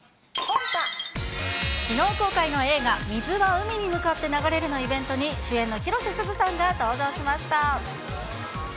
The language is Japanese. きのう公開の映画、水は海に向かって流れるのイベントに主演の広瀬すずさんが登場しました。